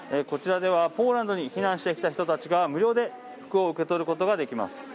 こちらではポーランドに避難してきた人たちが無料で服を受け取ることができます。